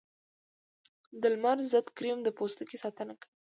د لمر ضد کریم د پوستکي ساتنه کوي